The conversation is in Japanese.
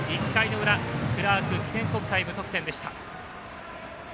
１回の裏、クラーク記念国際無得点でした。